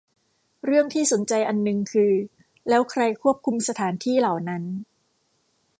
เรื่องที่สนใจอันนึงคือ แล้วใครควบคุมสถานที่เหล่านั้น